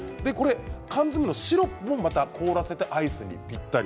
缶詰のシロップも凍らせてアイスにぴったり。